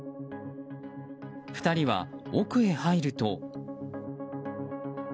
２人は、奥へ入ると。